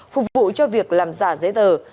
phục vụ cho việc làm giả giấy tờ